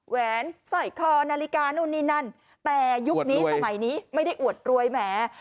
แหวนสร้อยคอนาฬิกานู่นนี่นั่นแต่ยุคนี้สมัยนี้ไม่ได้อวดรวยแหม